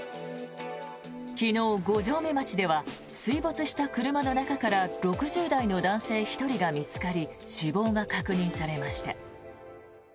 昨日、五城目町では水没した車の中から６０代の男性１人が見つかり死亡が確認されました。